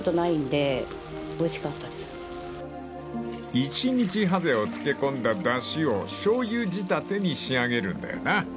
［１日ハゼを漬け込んだだしをしょうゆ仕立てに仕上げるんだよな］